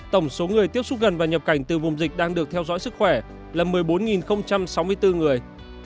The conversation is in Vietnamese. tổng số người tiếp xúc gần và nhập cảnh từ vùng dịch đang được theo dõi sức khỏe là một mươi bốn sáu mươi bốn người